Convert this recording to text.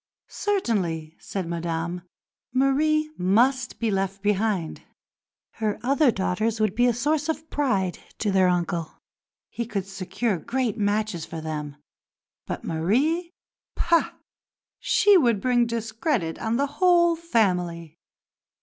Certainly, said Madame, Marie must be left behind. Her other daughters would be a source of pride to their uncle; he could secure great matches for them, but Marie pah! she would bring discredit on the whole family.